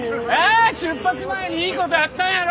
あ出発前にいい事あったんやろ！